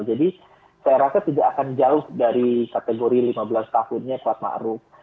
jadi saya rasa tidak akan jauh dari kategori lima belas tahunnya kuat maruf